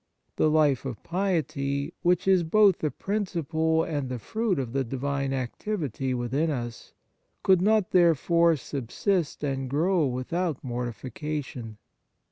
The life of piety, which is both the principle and the fruit of the divine activity within us, could not therefore subsist and grow with out mortification.